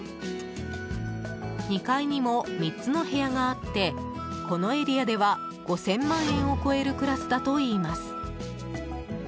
２階にも３つの部屋があってこのエリアでは５０００万円を超えるクラスだといいます。